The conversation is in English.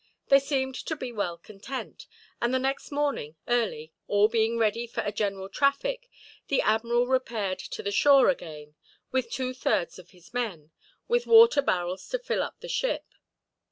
They seemed to be well content, and the next morning early, all being ready for a general traffic, the admiral repaired to the shore again, with two thirds of his men, with water barrels to fill up the ship.